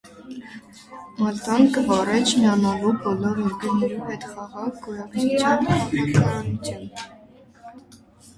Մալթան կը վարէ չմիանալու, բոլոր երկիրներու հետ խաղաղ գոյակցութեան քաղաքականութիւն։